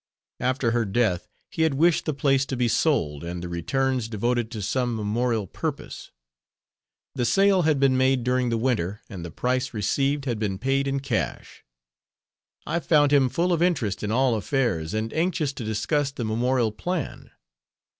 After her death he had wished the place to be sold and the returns devoted to some memorial purpose. The sale had been made during the winter and the price received had been paid in cash. I found him full of interest in all affairs, and anxious to discuss the memorial plan.